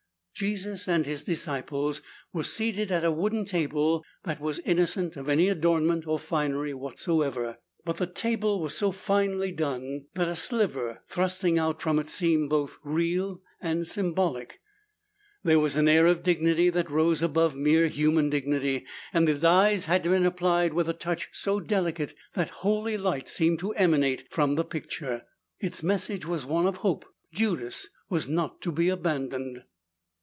Jesus and His disciples were seated at a wooden table that was innocent of any adornment or finery whatsoever, but the table was so finely done that a sliver thrusting out from it seemed both real and symbolic. There was an air of dignity that rose above mere human dignity, and the dyes had been applied with a touch so delicate that holy light seemed to emanate from the picture. Its message was one of hope. Judas was not to be abandoned.